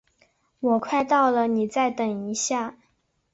我快到了，你再等一下。